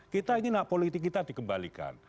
kita ini hak politik kita dikembalikan